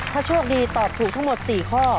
ถ้าโชคดีตอบถูกทั้งหมด๔ข้อ